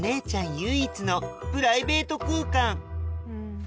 唯一のプライベート空間